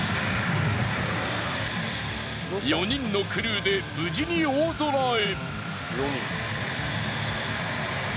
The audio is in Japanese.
４人のクルーで無事に大空へ。